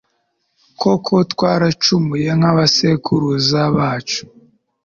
koko twaracumuye nk'abasekuruza bacu